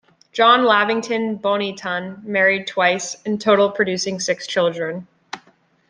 John Lavington Bonython married twice, in total producing six children.